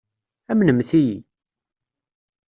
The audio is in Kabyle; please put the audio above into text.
Amnemt-iyi!